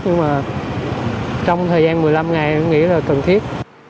nhưng mà trong thời gian một mươi năm ngày em nghĩ là cần thiết